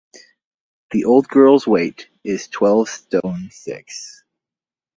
The old girl's weight — is twelve stone six.